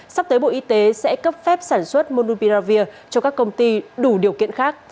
sắp tới bộ y tế sẽ cấp phép sản xuất monubiravir cho các công ty đủ điều kiện khác